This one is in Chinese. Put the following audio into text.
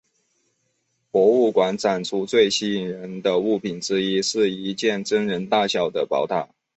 博物馆展出的最吸引人的物品之一是一件真人大小的宝塔。